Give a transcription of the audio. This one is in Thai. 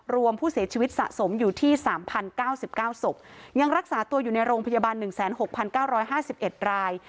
รวมผู้เสียชีวิตสะสมอยู่ที่๓๐๙๙ศพยังรักษาตัวอยู่ในโรงพยาบาล๑๖๙๕๑ราย